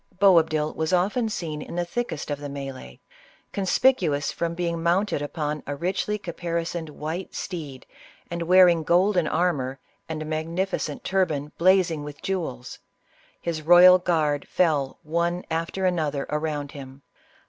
Boabdil was often seen in the thickest of the m&e'e, conspicuous from being mounted upon a richly capari soned, white steed, and wearing golden armor, and a magnificent turban blazing with jewels. His royal guard fell one after another around him.